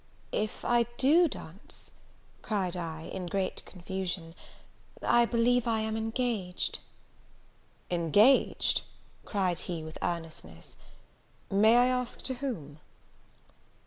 "If I do dance," said I, in great confusion, "I believe I am engaged." "Engaged!" cried he, with earnestness, "May I ask to whom?"